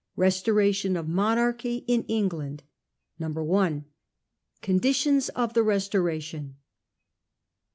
RESTORATION OF MONARCHY IN ENGLAND. i. Conditions of the Restoration.